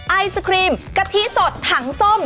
ไอศครีมกะทิสดถังส้ม